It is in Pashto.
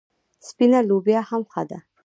سپینه لوبیا هم ښه ده.